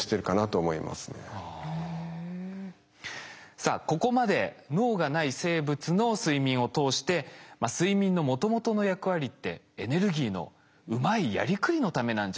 さあここまで脳がない生物の睡眠を通して睡眠のもともとの役割ってエネルギーのうまいやりくりのためなんじゃないか。